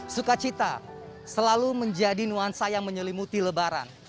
sukacita selalu menjadi nuansa yang menyelimuti lebaran